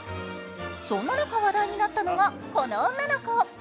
そんな中、話題になったのはこの女の子。